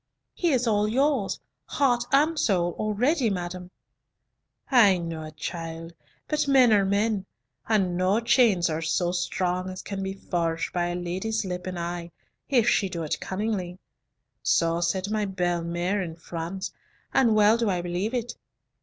"He is all yours, heart and soul, already, madam." "I know it, child, but men are men, and no chains are so strong as can be forged by a lady's lip and eye, if she do it cunningly. So said my belle mere in France, and well do I believe it.